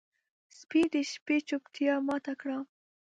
سپي د شپې چوپتیا ماته کړه.